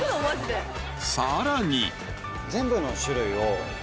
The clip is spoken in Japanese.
［さらに］